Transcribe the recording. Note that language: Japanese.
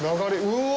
うわ！